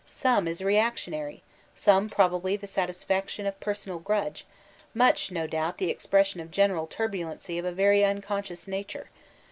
Some is reactionary, some probably the satisfac faction of personal grudge, much, no doubt, the expres sion of general turbulency of a very unconscious nature.